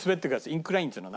インクラインっていうの？